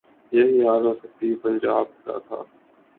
یہی حال وسطی پنجاب کا تھا۔